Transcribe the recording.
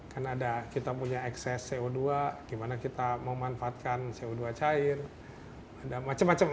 kan ada kita punya ekses co dua gimana kita memanfaatkan co dua cair ada macam macam